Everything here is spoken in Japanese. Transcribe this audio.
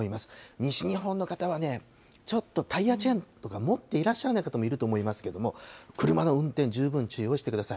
西日本の方はね、ちょっとタイヤチェーンとか持ってらっしゃらない方もいらっしゃるかもしれませんけど、車の運転、十分注意をしてください。